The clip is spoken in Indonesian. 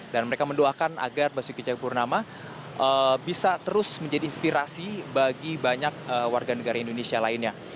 dan mereka mendoakan agar basuki ceyapurnama bisa terus menjadi inspirasi bagi banyak warga negara indonesia lainnya